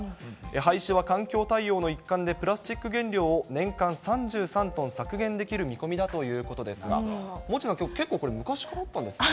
廃止は環境対応の一環で、プラスチック原料を年間３３トン削減できる見込みだということですが、モッチーさん、結構、これ、昔からあったんですね。